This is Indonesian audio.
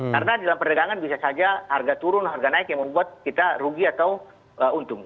karena di dalam perdagangan bisa saja harga turun harga naik yang membuat kita rugi atau untung